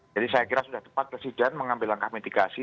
jadi saya kira sudah tepat presiden mengambil langkah mitigasi